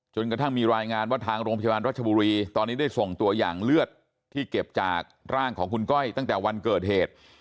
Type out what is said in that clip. กระทั่งมีรายงานว่าทางโรงพยาบาลรัชบุรีตอนนี้ได้ส่งตัวอย่างเลือดที่เก็บจากร่างของคุณก้อยตั้งแต่วันเกิดเหตุ